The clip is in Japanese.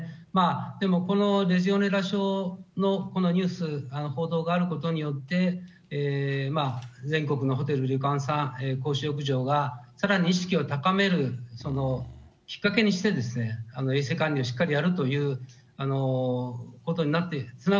でもこのレジオネラ症のこのニュース、報道があることによって、全国のホテル、旅館さん、公衆浴場が、さらに意識を高める、そのきっかけにしてですね、成田空港近くの火災ですが、情報をお伝えします。